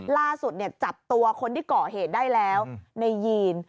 ล่าสุดจับตัวคนที่ก่อเหตุได้แล้วในยีน